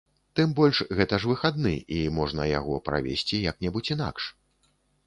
Тым больш, гэта ж выхадны, і можна яго правесці як-небудзь інакш.